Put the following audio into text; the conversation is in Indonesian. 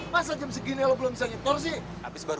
masa jam segini lo belum sampai acceptor sih